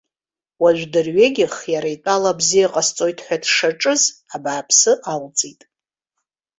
Уажә дырҩегьых, иара итәала абзиа ҟасҵоит ҳәа дшаҿыз, абааԥсы алҵит.